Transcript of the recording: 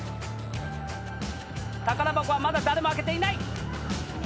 宝箱はまだ誰も開けていない。